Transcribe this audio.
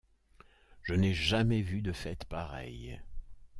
Je n'ai jamais vu de fête pareille.